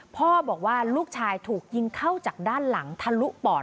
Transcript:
พ่อบอกว่าลูกชายถูกยิงเข้าจากด้านหลังทะลุปอด